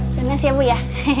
penas ya bu ya